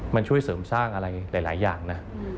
มันช่วยเสริมสร้างอะไรหลายอย่างนะ